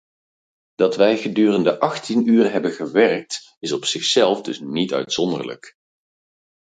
Dat wij gedurende achttien uur hebben gewerkt is op zichzelf dus niet uitzonderlijk.